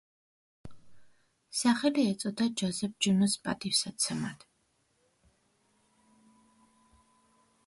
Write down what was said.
სახელი ეწოდა ჯოზეფ ჯუნოს პატივსაცემად.